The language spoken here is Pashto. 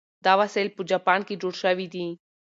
دا وسایل په جاپان کې جوړ شوي دي.